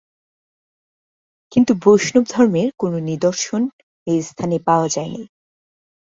কিন্তু বৈষ্ণব ধর্মের কোনো নিদর্শন এ স্থানে পাওয়া যায়নি।